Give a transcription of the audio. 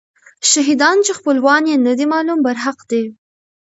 شهیدان چې خپلوان یې نه دي معلوم، برحق دي.